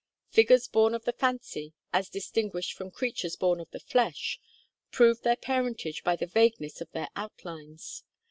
Figures born of the fancy, as distinguished from creatures born of the flesh, prove their parentage by the vagueness of their outlines.